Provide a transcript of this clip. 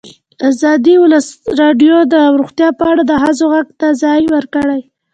ازادي راډیو د روغتیا په اړه د ښځو غږ ته ځای ورکړی.